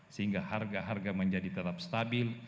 sehingga harga harga menjadi tetap stabil